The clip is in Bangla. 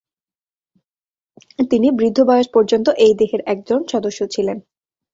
তিনি বৃদ্ধ বয়স পর্যন্ত এই দেহের একজন সদস্য ছিলেন।